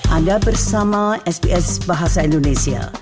anda bersama sps bahasa indonesia